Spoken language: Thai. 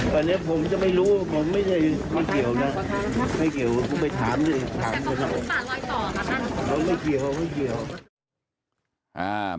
ก็จะไม่รู้ว่าผมไม่เกี่ยวนะไม่เกี่ยวไปถามเลย